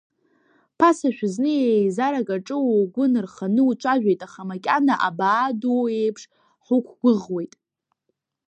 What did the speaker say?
Ԥасашәа зны еизарак аҿы угәы нырханы уцәажәеит, аха макьана, абаа ду еиԥш ҳуқәгәыӷуеит.